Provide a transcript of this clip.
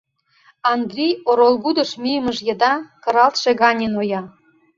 Андрий оролгудыш мийымыж еда кыралтше гане ноя.